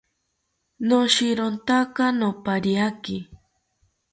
Noshirontaka nopariaki